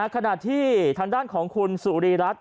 ขนาดที่ทางด้านของคุณสุริรัติ